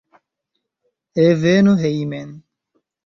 Reveno hejmen.